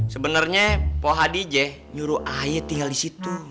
sebenernya po hadijeh nyuruh ayah tinggal disitu